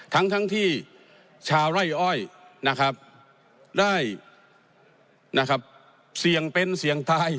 ทั้งที่ชาไล่อ้อยได้เสี่ยงเป็นเสี่ยงตาย